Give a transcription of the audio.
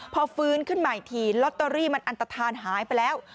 พอฟื้นขึ้นมาอีกทีลอตเตอรี่มันอันตฐานหายไปแล้ว